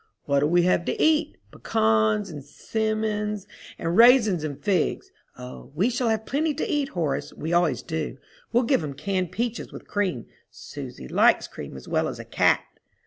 "What'll we have to eat? Pecans, and 'simmons, and raisins, and figs." "O, we shall have plenty to eat, Horace, we always do. We'll give 'em canned peaches with cream. Susy likes cream as well as a cat."